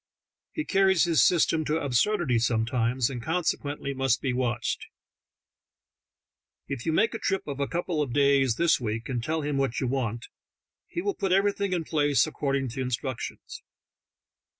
He carries his system to absurdity sometimes, and consequently must be watched. If you make a trip of a couple of days this week, and tell him what you want, he will put everything in place according to instructions.